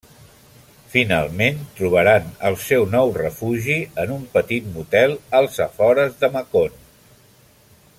Finalment, trobaran el seu nou refugi en un petit motel als afores de Macon.